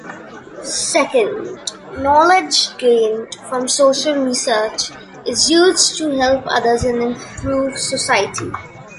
Second, knowledge gained from social research is used to help others and improve society.